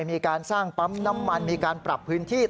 มีการสร้างปั๊มน้ำมันมีการปรับพื้นที่